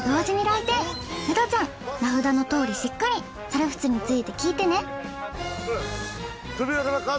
ウドちゃん名札のとおりしっかり猿払について聞いてね。